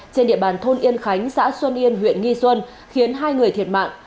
trên địa bàn thôn yên khánh xã xuân yên huyện nghi xuân khiến hai người thiệt mạng